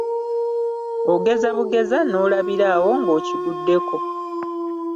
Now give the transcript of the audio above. Ogeza bugeza n'olabira awo ng'okiguddeko.